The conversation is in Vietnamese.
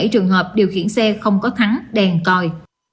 bảy trăm hai mươi bảy trường hợp điều khiển xe không có thắng đèn coi